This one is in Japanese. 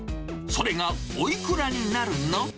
それがおいくらになるの？